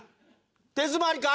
手詰まりか？